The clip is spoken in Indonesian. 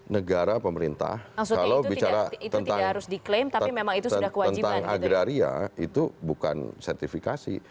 negara pemerintah kalau bicara tentang agraria itu bukan sertifikasi